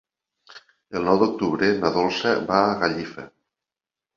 El nou d'octubre na Dolça va a Gallifa.